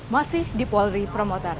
masih di polri promoter